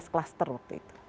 tiga belas klaster waktu itu